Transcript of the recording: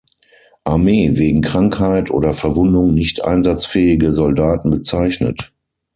Armee wegen Krankheit oder Verwundung nicht einsatzfähige Soldaten bezeichnet.